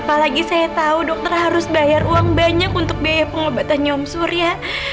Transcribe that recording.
apalagi saya tahu dokter harus bayar uang banyak untuk biaya pengobatan nyongsur ya